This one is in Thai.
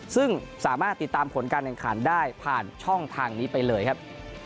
ซึ่งสามารถติดตามผลการแข่งขันได้ผ่านช่องทางนี้ไปเลยครับ